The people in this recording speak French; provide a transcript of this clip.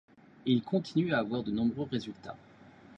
Il continue à avoir de nombreux résultats.